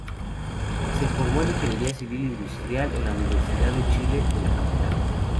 Se formó en ingeniería civil industrial en la Universidad de Chile de la capital.